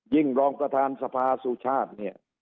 รองประธานสภาสุชาติเนี่ย